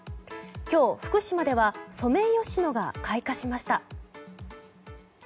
今日、福島ではソメイヨシノが開花しました。